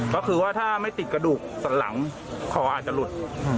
ก็คือว่าถ้าไม่ติดกระดูกสันหลังคออาจจะหลุด